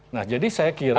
nah jadi saya kira